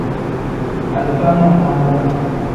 Alifa nonaza.